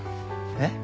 えっ？